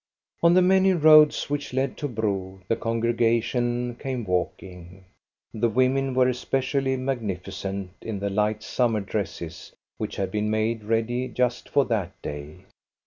On the many roads which lead to Bro the congre gation came walking. The women were especially magnificent in the light summer dresses, which had been made ready just for that day.